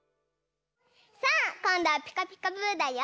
さあこんどは「ピカピカブ！」だよ！